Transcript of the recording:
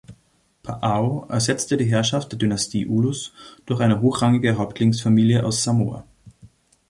Paʻao ersetzte die Herrschaft der Dynastie Ulus durch eine hochrangige Häuptlingsfamilie aus Samoa.